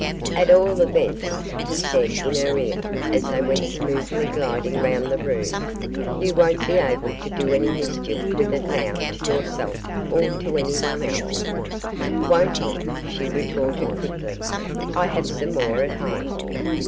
'At all events,' he said in her ear, as they went smoothly gliding round the room, 'you won't be able to do any mischief with it now to yourself or to anyone else.' 'Won't I?' she retorted quickly; 'I have some more at home.